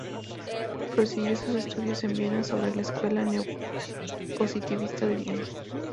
Prosiguió sus estudios en Viena sobre la escuela neo-positivista de Viena.